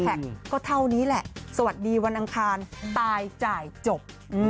ก็เท่านี้แหละสวัสดีวันอังคารตายจ่ายจบ